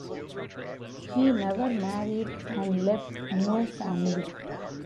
He never married and left no family.